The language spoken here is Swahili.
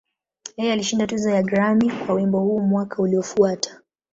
Yeye alishinda tuzo ya Grammy kwa wimbo huu mwaka uliofuata.